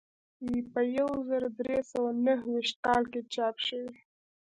په یو زر درې سوه نهه ویشت کال کې چاپ شوی.